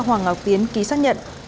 hoàng ngọc tiến ký xác nhận